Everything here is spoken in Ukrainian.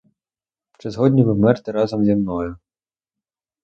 Чи згодні ви вмерти разом зі мною?